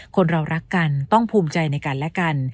คนเรารักกันต้องภูมิใจในกันและกัน